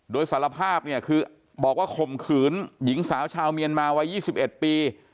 โดยสารภาพเนี่ยคือบอกว่าข่มขืนหญิงสาวชาวเมียนมาวัย๒๑ปี